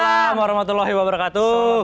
waalaikumsalam warahmatullahi wabarakatuh